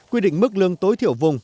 quy định mức lương tối thiểu vùng